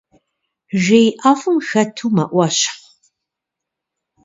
Жей ӏэфӏым хэту мэӏуэщхъу.